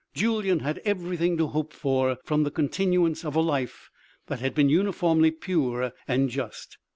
Julyan had everything to hope for from the continuance of a life that had been uniformly pure and just.